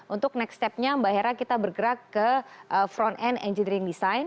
untuk next step nya mbak hera kita bergerak ke front end engineering design